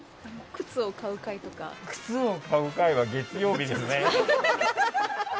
靴を買う回は月曜日ですね。